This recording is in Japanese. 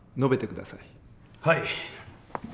はい。